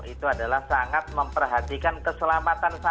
itu adalah sangat memperhatikan keselamatan